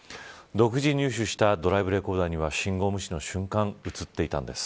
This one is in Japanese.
独自入手したドライブレコーダーには信号無視の瞬間映っていたんです。